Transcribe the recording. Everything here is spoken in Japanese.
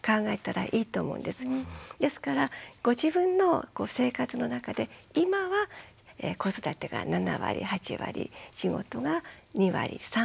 ですからご自分の生活の中で今は子育てが７割８割仕事が２割３割でもいいと思うんです。